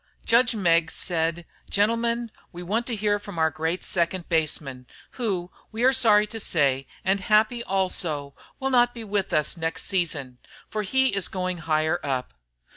Judge Meggs said: "Gentlemen, we want to hear from our great second baseman, who, we are sorry to say and happy also, will not be with us next season. For he is going higher up.